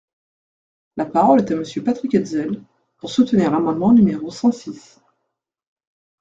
La parole est à Monsieur Patrick Hetzel, pour soutenir l’amendement numéro cent six.